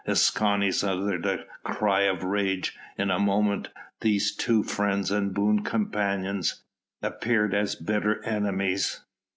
Escanes uttered a cry of rage; in a moment these two friends and boon companions appeared as bitter enemies.